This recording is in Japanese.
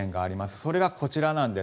それがこちらなんです。